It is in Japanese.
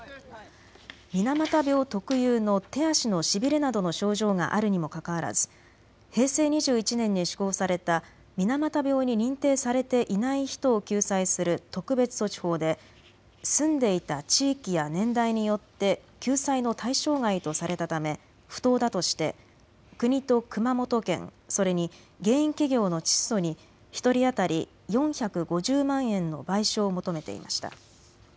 水俣病特有の手足のしびれなどの症状があるにもかかわらず平成２１年に施行された水俣病に認定されていない人を救済する特別措置法で住んでいた地域や年代によって救済の対象外とされたため不当だとして国と熊本県、それに原因企業のチッソに１人当たり４５０万円の賠償を求めていました。